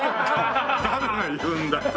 誰が言うんだって。